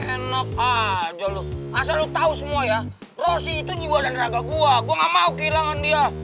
enak aja lu asal tahu semua ya rosi itu jiwa dari raga gue gue gak mau kehilangan dia